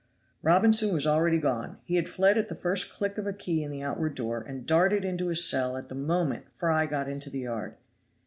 Robinson was already gone. He had fled at the first click of a key in the outward door, and darted into his cell at the moment Fry got into the yard.